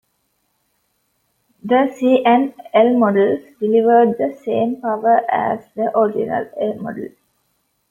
The C and L models delivered the same power as the original A model.